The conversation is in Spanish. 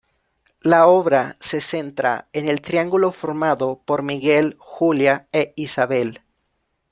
La obra se centra en el triángulo formado por Miguel, Julia e Isabel.